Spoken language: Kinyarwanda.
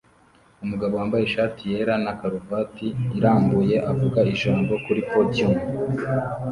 Umugabo wambaye ishati yera na karuvati irambuye avuga ijambo kuri podium